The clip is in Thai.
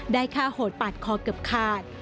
ได้ฆ่าโหดปาดคอเกือบขาด